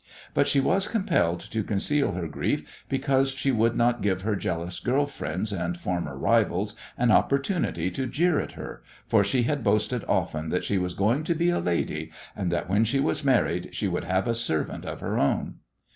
But she was compelled to conceal her grief because she would not give her jealous girl friends and former rivals an opportunity to jeer at her, for she had boasted often that she was going to be a lady and that when she was married she would have a servant of her own.